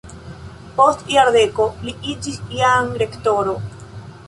Post jardeko li iĝis jam rektoro.